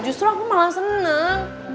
justru aku malah seneng